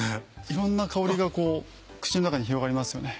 いろんな香りがこう口の中に広がりますよね。